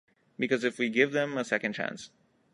Because if we give them a second chance.